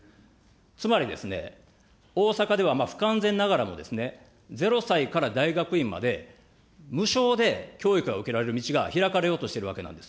つまり、大阪では不完全ながらも、０歳から大学院まで無償で教育が受けられる道が開かれようとしているわけなんです。